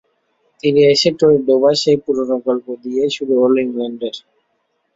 তীরে এসে তরি ডোবার সেই পুরোনো গল্প দিয়েই শুরু হলো ইংল্যান্ডের।